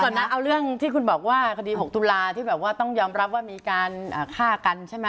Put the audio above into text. นะเอาเรื่องที่คุณบอกว่าคดี๖ตุลาที่แบบว่าต้องยอมรับว่ามีการฆ่ากันใช่ไหม